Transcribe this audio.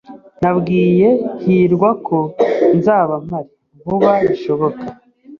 Nabwiye hirwa ko nzaba mpari vuba bishoboka.